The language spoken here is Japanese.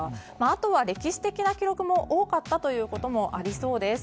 あとは歴史的な記録も多かったということもありそうです。